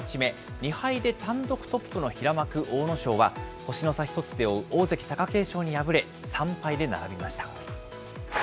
２敗で単独トップの平幕・阿武咲は、星の差１つで追う大関・貴景勝に敗れ、３敗で並びました。